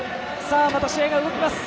また試合が動きます。